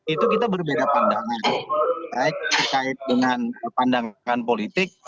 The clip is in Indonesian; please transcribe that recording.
itu kita berbeda pandangan baik terkait dengan pandangan politik